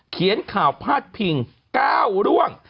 เขียนข่าวพาดพิง๙เรื่อง